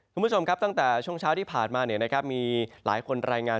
คุณผู้ชมครับตั้งแต่ช่วงเช้าที่ผ่านมามีหลายคนรายงาน